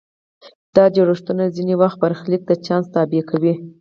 دا جوړښتونه ځینې وخت برخلیک د چانس تابع کوي.